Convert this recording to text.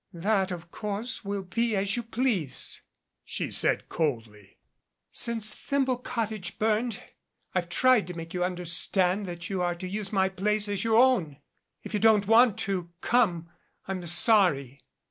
"That, of course, will be as you please," she said coldly. "Since Thimble Cottage burned, I've tried to make you understand that you are to use my place as your own. If you don't want to come I'm sorry."